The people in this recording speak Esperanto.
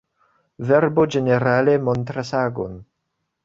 Verbo ĝenerale montras agon.